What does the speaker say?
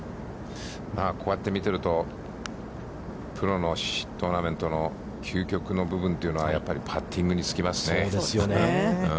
こうやって見ていると、プロのトーナメントの究極の部分というのは、やっぱりパッティングに尽きますね。